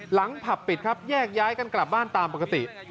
ผับปิดครับแยกย้ายกันกลับบ้านตามปกติ